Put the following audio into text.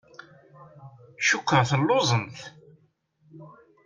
Cukkeɣ telluẓemt.